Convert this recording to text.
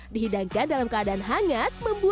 dihidangkan dalam keadaan hangat